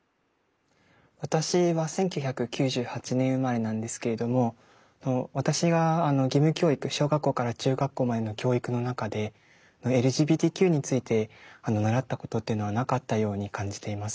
私は１９９８年生まれなんですけれども私が義務教育小学校から中学校までの教育の中でＬＧＢＴＱについて習ったことっていうのはなかったように感じています。